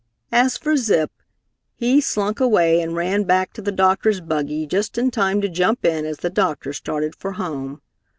As for Zip, he slunk away and ran back to the doctor's buggy just in time to jump in as the doctor started for home.